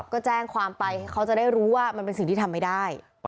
ก็แจ้งความไปเขาจะได้รู้ว่ามันเป็นสิ่งที่ทำไม่ได้